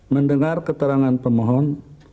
mendengar keterangan pemohon